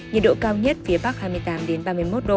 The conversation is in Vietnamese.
nhiệt độ cao nhất phía bắc hai mươi tám ba mươi một độ